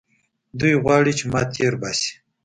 دوى غواړي چې ما تېر باسي.